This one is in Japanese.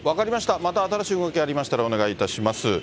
また新しい動きありましたら、お願いいたします。